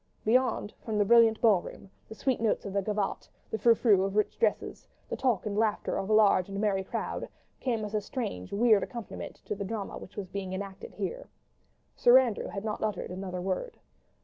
Beyond, from the brilliant ball room, the sweet notes of the gavotte, the frou frou of rich dresses, the talk and laughter of a large and merry crowd, came as a strange, weird accompaniment to the drama which was being enacted here. Sir Andrew had not uttered another word.